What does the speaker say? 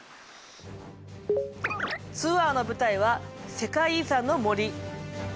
ツアーの舞台は世界遺産の森。